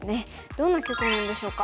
どんな局面でしょうか。